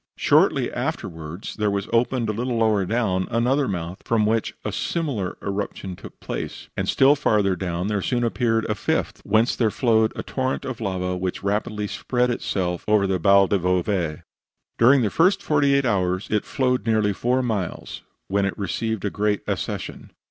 Shortly afterwards there was opened, a little lower down, another mouth, from which a similar eruption took place; and still farther down there soon appeared a fifth, whence there flowed a torrent of lava which rapidly spread itself over the Val del Bove. During the first forty eight hours it flowed nearly four miles, when it received a great accession.